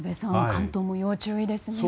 関東も要注意ですね。